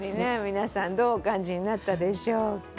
皆さんどうお感じになったでしょうか。